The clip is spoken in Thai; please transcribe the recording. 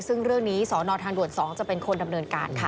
ซึ่งเรื่องนี้สอนอทางด่วน๒จะเป็นคนดำเนินการค่ะ